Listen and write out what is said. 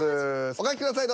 お書きください。